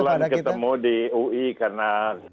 kebetulan ketemu di ui karena